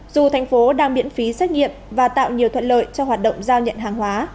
dù thành phố đang miễn phí xét nghiệm và tạo nhiều thuận lợi cho hoạt động giao nhận hàng hóa